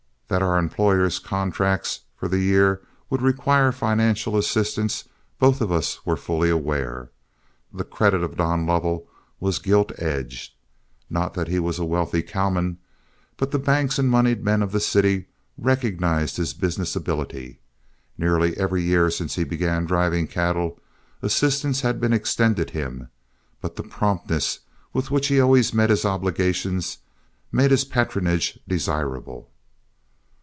That our employer's contracts for the year would require financial assistance, both of us were fully aware. The credit of Don Lovell was gilt edge, not that he was a wealthy cowman, but the banks and moneyed men of the city recognized his business ability. Nearly every year since he began driving cattle, assistance had been extended him, but the promptness with which he had always met his obligations made his patronage desirable.